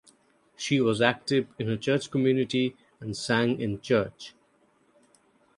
She was active in her church community and sang in church.